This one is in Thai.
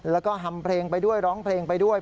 แล้วก็ทำเพลงไปด้วยร้องเพลงไปด้วย